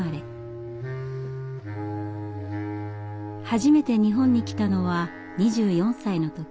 初めて日本に来たのは２４歳の時。